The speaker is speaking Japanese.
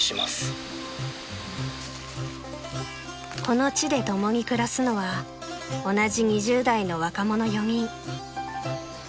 ［この地で共に暮らすのは同じ２０代の若者４人］